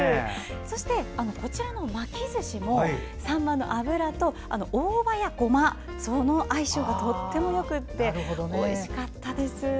そして、巻きずしもサンマの脂と大葉やごまとの相性がとてもよくておいしかったです。